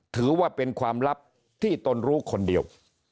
ถือว่าเป็นความลับที่ตนรู้คนเดียว